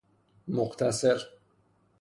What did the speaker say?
مغتسل